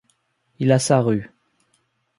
Il a sa rue.